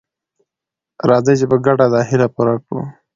راځئ چې په ګډه دا هیله پوره کړو.